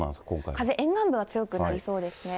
風、沿岸部は強くなりそうですね。